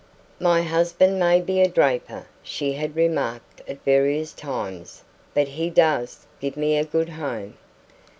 "My husband may be a draper," she had remarked at various times, "but he does give me a good home."